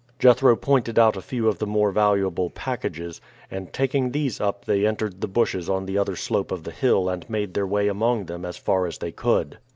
Jethro pointed out a few of the more valuable packages, and taking these up they entered the bushes on the other slope of the hill and made their way among them as far as they could.